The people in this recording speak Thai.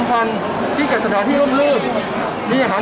ขอบคุณหมอครับ